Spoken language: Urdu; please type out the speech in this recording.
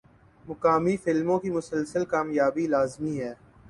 مقامی فلموں کی مسلسل کامیابی لازمی ہے۔